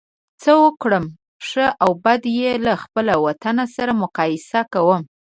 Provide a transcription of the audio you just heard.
څه وګورم ښه او بد یې له خپل وطن سره مقایسه کوم.